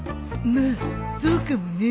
まあそうかもね。